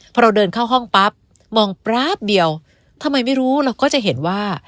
พอเราเดินเข้าห้องปั๊บมองปราบเดียวทำไมไม่รู้เราก็จะเห็นว่า